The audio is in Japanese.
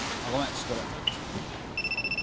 ちょっと。